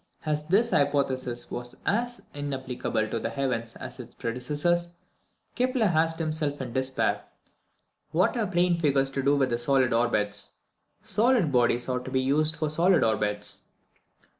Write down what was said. As this hypothesis was as inapplicable to the heavens as its predecessors, Kepler asked himself in despair, "What have plane figures to do with solid orbits? Solid bodies ought to be used for solid orbits."